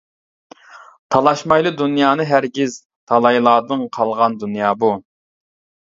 تالاشمايلى دۇنيانى ھەرگىز، تالايلاردىن قالغان دۇنيا بۇ.